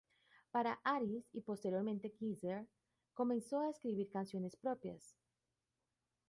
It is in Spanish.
Para Arise y posteriormente, Kisser comenzó a escribir canciones propias.